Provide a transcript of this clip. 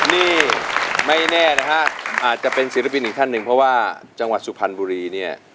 นี่ไม่แน่นะฮะอาจจะเป็นศิลปินอีกท่านหนึ่งเพราะว่าจังหวัดสุพรรณบุรีเนี่ย